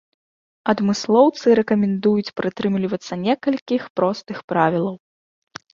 Адмыслоўцы рэкамендуюць прытрымлівацца некалькіх простых правілаў.